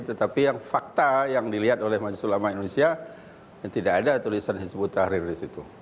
tetapi yang fakta yang dilihat oleh majelis ulama indonesia tidak ada tulisan hizbut tahrir di situ